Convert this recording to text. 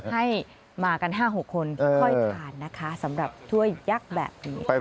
ให้มากัน๕๖คนค่อยทานนะคะสำหรับถ้วยยักษ์แบบนี้